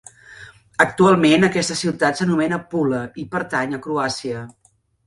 Actualment aquesta ciutat s'anomena Pula i pertany a Croàcia.